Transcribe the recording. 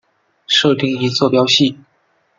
设定一坐标系。